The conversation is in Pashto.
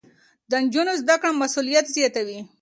د نجونو زده کړه مسؤليت زياتوي.